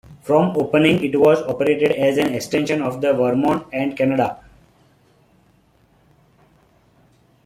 From opening it was operated as an extension of the Vermont and Canada.